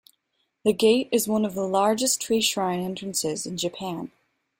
The gate is one of the largest three shrine entrances in Japan.